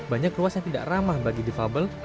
banyak ruas yang tidak ramah bagi defable